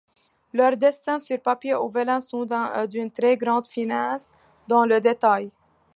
Leurs dessins sur papier ou vélin sont d'une très grande finesse dans le détail.